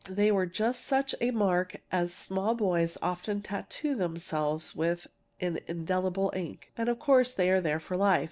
They were just such a mark as small boys often tattoo themselves with in indelible ink, and of course, they are there for life.